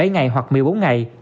bảy ngày hoặc một mươi bốn ngày